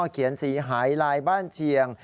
เขียนสีหายลายบ้านเชียง